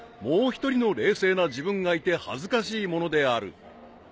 もう一人の冷静な自分がいて恥ずかしいものである］